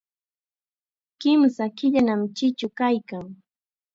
Kimsa killanam chichu kaykan.